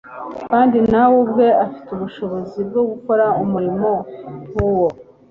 kandi nawe ubwe afite ubushobozi bwo gukora umurimo nk'uwo.